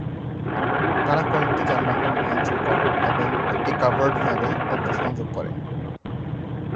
তাঁরা কয়েকটি যানবাহন ভাঙচুর করেন এবং একটি কাভার্ড ভ্যানে অগ্নিসংযোগ করেন।